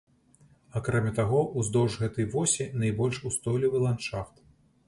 Акрамя таго, уздоўж гэтай восі найбольш устойлівы ландшафт.